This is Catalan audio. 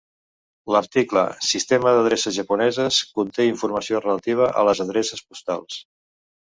L'article "Sistema d'adreces japoneses" conté informació relativa a les adreces postals.